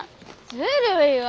ずるいわ。